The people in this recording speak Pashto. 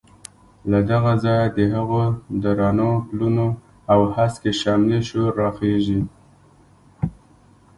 له دغه ځایه د هغو درنو پلونو او هسکې شملې شور راخېژي.